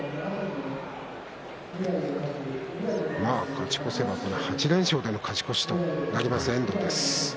勝ち越せば８連勝での勝ち越しとなります。